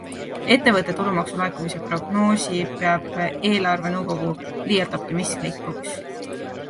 Ettevõtte tulumaksu laekumise prognoosi peab eelarvenõukogu liialt optimistlikuks.